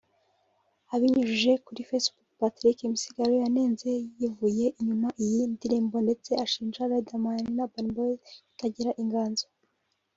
Abinyujije kuri Facebook Patrick Misigaro yanenze yivuye inyuma iyi ndirimbo ndetse ashinja Riderman na Urban Boyz kutagira inganzo